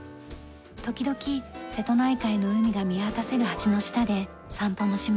時々瀬戸内海の海が見渡せる橋の下で散歩もします。